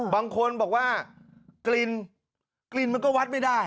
บางคนบอกว่ากลิ่นกลิ่นมันก็วัดไม่ได้